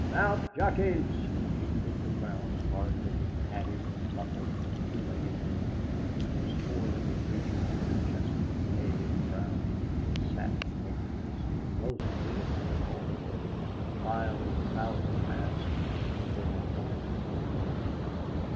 "Mount, jockeys!" Through the crowd of hard looking, hatted, muffled, two legged men, those four legged creatures in their chestnut, bay, and brown, and satin nakedness, most beautiful in all the world, filed proudly past, as though going forth to death.